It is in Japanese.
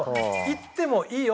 いってもいいよ。